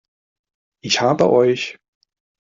Ich habe euch!